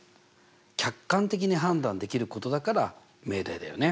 客観的に判断できることだから命題だよね。